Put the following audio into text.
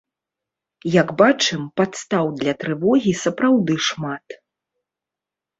Як бачым, падстаў для трывогі сапраўды шмат.